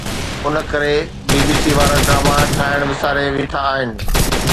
ان ڪري B B C وارا drama ٺاهڻ وساري ويٺا آهن